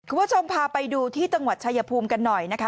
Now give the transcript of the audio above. คุณผู้ชมพาไปดูที่จังหวัดชายภูมิกันหน่อยนะคะ